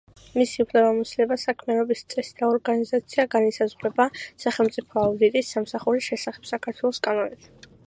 მისი უფლებამოსილება, საქმიანობის წესი და ორგანიზაცია განისაზღვრება, „სახელმწიფო აუდიტის სამსახურის შესახებ“ საქართველოს კანონით.